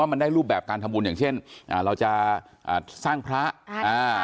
มันได้รูปแบบการทำบุญอย่างเช่นอ่าเราจะอ่าสร้างพระอ่าอ่า